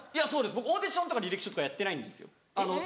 僕オーディションとか履歴書とかやってないんですよ。